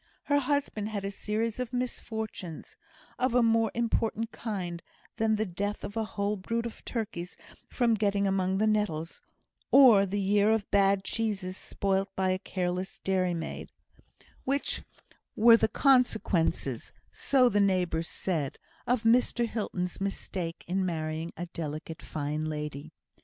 Her husband had a series of misfortunes of a more important kind than the death of a whole brood of turkeys from getting among the nettles, or the year of bad cheeses spoilt by a careless dairymaid which were the consequences (so the neighbours said) of Mr Hilton's mistake in marrying a delicate, fine lady.